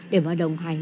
để mà đồng hành